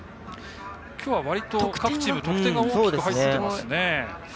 きょうは割りと各チーム得点が大きいですね。